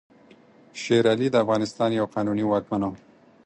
شېر علي د افغانستان یو قانوني واکمن وو.